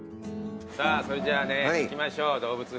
さあそれじゃあ行きましょう動物触れ合いに。